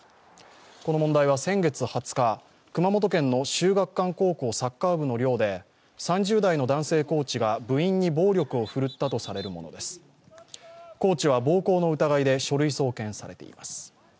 この問題は先月２０日、熊本県の秀岳館高校サッカー分の寮で３０代の男性コーチが部員に暴力を振るったとされるものでコーチは暴行の疑いで書類送検されています。